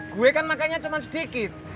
gue kan makannya cuma sedikit